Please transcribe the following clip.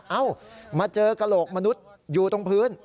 เอ้ามาเจอกระโหลกมนุษย์อยู่ตรงพื้น